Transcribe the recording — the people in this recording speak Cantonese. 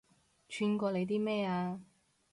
串過你啲咩啊